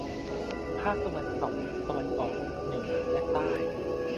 ภาคตะวันตก ตะวันออก เหนือ และใต้